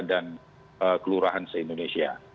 dan kelurahan se indonesia